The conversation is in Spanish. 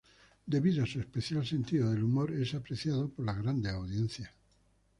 Debido a su especial sentido del humor es apreciado por las grandes audiencias.